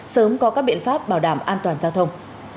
sớm có các biện pháp bảo đảm an toàn giao thông